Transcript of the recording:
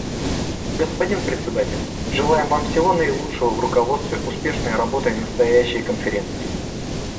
Господин Председатель, желаем Вам всего наилучшего в руководстве успешной работой настоящей Конференции.